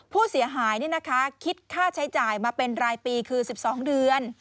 ผู้เสียหายคิดค่าใช้จ่ายมาเป็นรายปีคือ๑๒เดือน